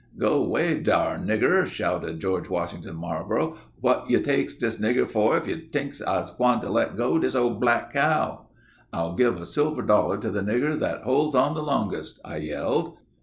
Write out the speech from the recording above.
"'Go way dar, nigger!' retorted George Washington Marlborough; 'what you takes dis nigger for if you tinks I's gwine to let go dis ole black cow?' "'I'll give a silver dollar to the nigger that holds on the longest,' I yelled.